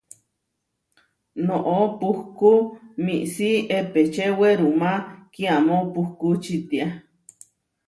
Noʼó puhkú miísi epečé werumá kiamó puhkú čitiá.